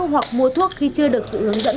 hoặc mua thuốc khi chưa được sự hướng dẫn